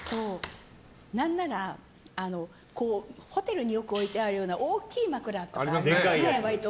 何ならホテルによく置いてあるような大きい枕ありますよね。